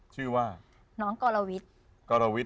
ชื่อว่าน้องกลวิทย์